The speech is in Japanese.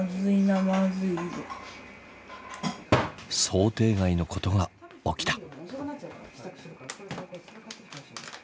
想定外のことが起きた。